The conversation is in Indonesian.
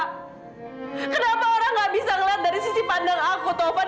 kenapa orang gak bisa ngeliat dari sisi pandang aku tovan